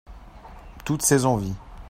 Toutes ses envies.